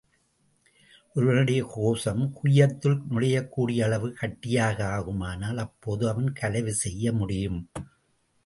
ஒருவனுடைய கோசம் குய்யத்துள் நுழையக் கூடிய அளவு கட்டியாக ஆகுமானால் அப்போதே அவன் கலவி செய்யமுடியும்.